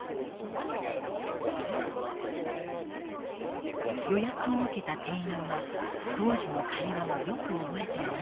予約を受けた店員は当時の会話をよく覚えていました。